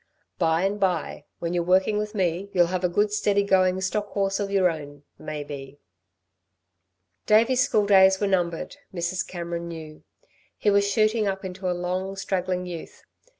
By and by, when you're working with me, you'll have a good steady going stock horse of y're own maybe." Davey's school days were numbered, Mrs. Cameron knew. He was shooting up into a long, straggling youth.